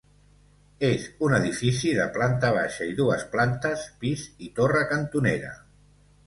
És un edifici de planta baixa i dues plantes pis i torre cantonera.